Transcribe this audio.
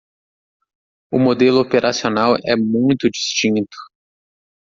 O modelo operacional é muito distinto